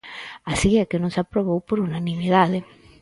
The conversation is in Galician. Así é que non se aprobou por unanimidade.